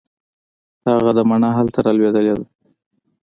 هغه ده مڼه هلته رالوېدلې ده.